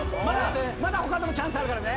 まだ他のところチャンスあるからね。